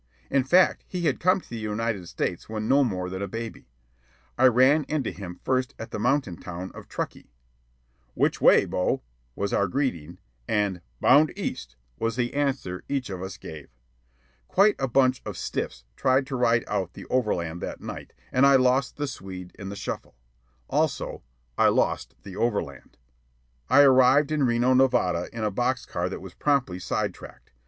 In fact, he had come to the United States when no more than a baby. I ran into him first at the mountain town of Truckee. "Which way, Bo?" was our greeting, and "Bound east" was the answer each of us gave. Quite a bunch of "stiffs" tried to ride out the overland that night, and I lost the Swede in the shuffle. Also, I lost the overland. I arrived in Reno, Nevada, in a box car that was promptly side tracked.